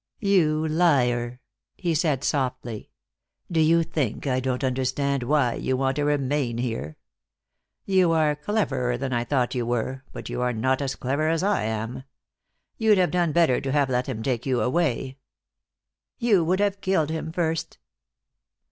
"You liar!" he said softly. "Do you think I don't understand why you want to remain here? You are cleverer than I thought you were, but you are not as clever as I am. You'd have done better to have let him take you away." "You would have killed him first."